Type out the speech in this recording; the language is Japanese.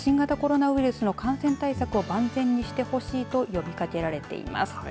ただ、新型コロナウイルスの感染対策を万全にしてほしいと呼びかけられています。